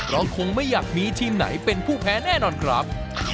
เราคงไม่อยากมีทีมไหนเป็นผู้แพ้แน่นอนครับ